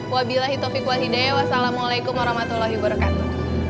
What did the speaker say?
wabilahi topik wa hidayah wassalamualaikum warahmatullahi wabarakatuh